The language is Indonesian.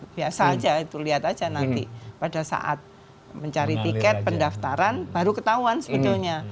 biasa aja itu lihat aja nanti pada saat mencari tiket pendaftaran baru ketahuan sebetulnya